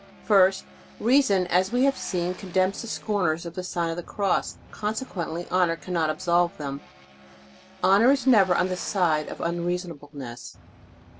First: reason, as we have seen, condemns the scorners of the Sign of the Cross, conse quently honor cannot absolve them. Honor is never on the side of unreasonableness.